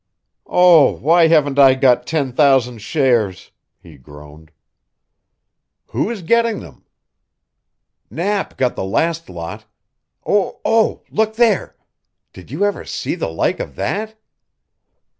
"Oh, why haven't I got ten thousand shares?" he groaned. "Who is getting them?" "Knapp got the last lot. O oh, look there! Did you ever see the like of that?"